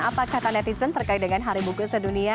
apa kata netizen terkait dengan hari buku sedunia